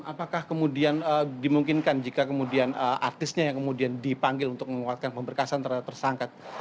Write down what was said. apakah kemudian dimungkinkan jika kemudian artisnya yang kemudian dipanggil untuk menguatkan pemberkasan terhadap tersangka